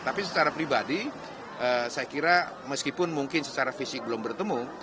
tapi secara pribadi saya kira meskipun mungkin secara fisik belum bertemu